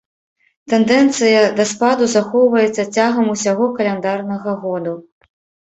Тэндэнцыя да спаду захоўваецца цягам усяго каляндарнага году.